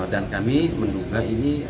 dan kami menduga ini